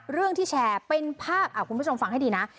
เรื่องที่แชร์เป็นภาพคุณผู้ชมฟังให้ดีนะ